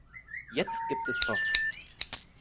Jetzt gibt es Zoff.